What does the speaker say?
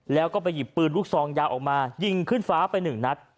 แล้วก็ไปหยิบปืนลูกซองยาวออกมายิงขึ้นฟ้าไปหนึ่งนัด